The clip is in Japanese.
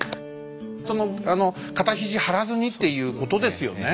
そのあの肩肘張らずにっていうことですよね。